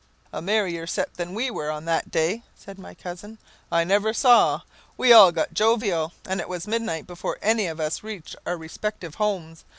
"A merrier set than we were on that day," said my cousin, "I never saw. We all got jovial, and it was midnight before any of us reached our respective homes.